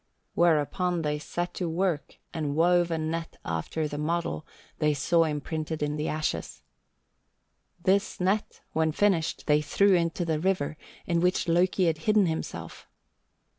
Whereupon they set to work and wove a net after the model they saw imprinted in the ashes. This net, when finished, they threw into the river in which Loki had hidden himself.